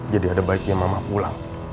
jadi ada baiknya mama pulang